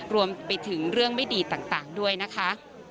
รวมไปถึงเรื่องไม่ดีต่างด้วยนะคะ